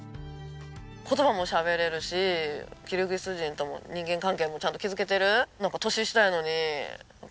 言葉もしゃべれるしキルギス人とも人間関係もちゃんと築けてる。